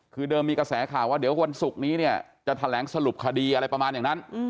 คือเดิมมีกระแสข่าวว่าเดี๋ยววันศุกร์นี้เนี่ยจะแถลงสรุปคดีอะไรประมาณอย่างนั้น